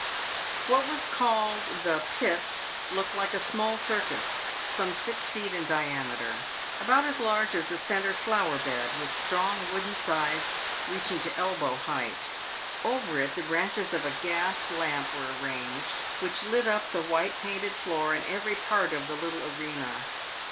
What was called the pit looked like a small circus, some six feet in diameter, about as large as a centre flower bed, with strong wooden sides, reaching to elbew height. Over it the branches of a gas lamp were arranged, which lit up the white painted floor and every part of the little arena.